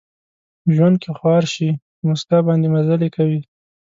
په ژوند کې خوار شي، په مسکا باندې مزلې کوي